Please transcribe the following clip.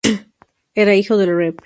Era hijo del Rev.